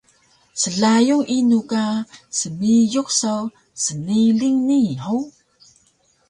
Slayun inu ka smiyuk saw sniling nii hug?